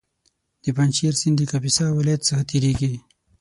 د پنجشېر سیند د کاپیسا ولایت څخه تېرېږي